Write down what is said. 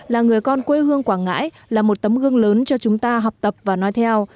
là người con quê hương quảng ngãi là một tấm gương lớn cho chúng ta học tập và nói theo